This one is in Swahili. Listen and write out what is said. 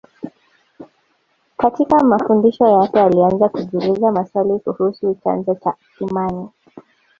Katika mafundisho yake alianza kujiuliza maswali kuhusu chanzo cha imani